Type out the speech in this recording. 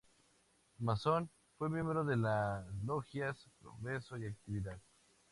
Masón, fue miembro de las logias "Progreso" y "Actividad".